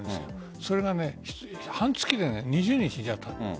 それが半月で２０人死んじゃった。